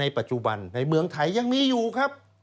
ปัจจุบันในเมืองไทยยังมีอยู่ครับ